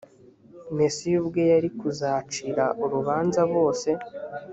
mesiya ubwe yari kuzacira urubanza bose